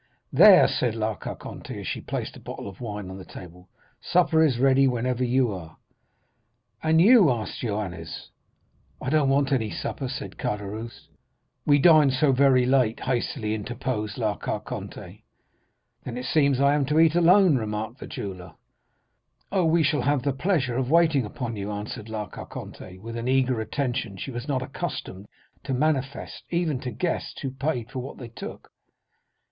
"'There,' said La Carconte, as she placed a bottle of wine on the table, 'supper is ready whenever you are.' "'And you?' asked Joannes. "'I don't want any supper,' said Caderousse. "'We dined so very late,' hastily interposed La Carconte. "'Then it seems I am to eat alone,' remarked the jeweller. "'Oh, we shall have the pleasure of waiting upon you,' answered La Carconte, with an eager attention she was not accustomed to manifest even to guests who paid for what they took.